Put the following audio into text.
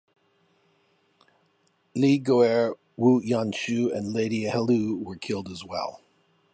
Li Guo'er, Wu Yanxiu, and Lady Helou were killed as well.